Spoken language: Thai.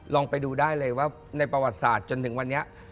ลองไปดูได้เลยว่าในประวัติศาสตร์จนถึงวันนี้